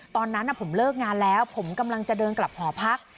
ตอนนั้นผมเลิกงานแล้วผมกำลังจะเดินกลับหอพัก